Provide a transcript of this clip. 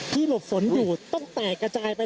หลบฝนอยู่ต้องแตกกระจายไป